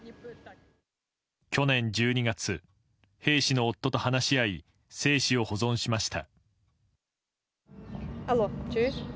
去年１２月、兵士の夫と話し合い精子を保存しました。